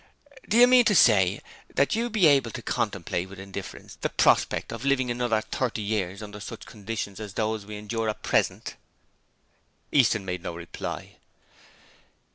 Do you mean to say that you are able to contemplate with indifference the prospect of living for another thirty years under such conditions as those we endure at present?' Easton made no reply.